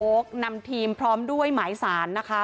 นำทีมพร้อมด้วยหมายสารนะคะ